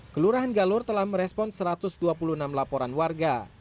kelurahan galur telah merespon satu ratus dua puluh enam laporan warga